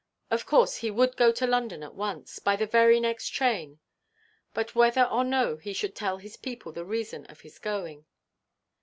Of course he would go to London at once, by the very next train; but whether or no should he tell his people the reason of his going?